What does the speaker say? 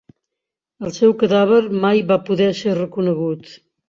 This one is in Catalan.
El seu cadàver mai va poder ser reconegut.